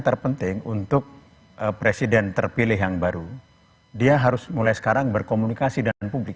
terpenting untuk presiden terpilih yang baru dia harus mulai sekarang berkomunikasi dengan publik